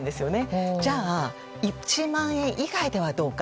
じゃあ、１万円以外ではどうか。